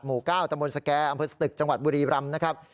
หมู่ก้าวตะมนต์สแก๊อำเภอสตึกจังหวัดบุรีรำนะครับ